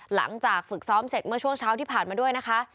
หลังจากฝึกซ้อมเสร็จเมื่อช่วงเช้าที่ผ่านมาด้วยนะคะ